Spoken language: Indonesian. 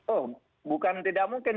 oh bukan tidak mungkin